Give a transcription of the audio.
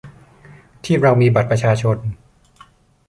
ที่เรามีบัตรประชาชน